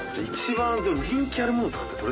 貳人気あるものとかってどれ？